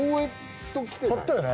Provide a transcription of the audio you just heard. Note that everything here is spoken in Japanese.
買ったよね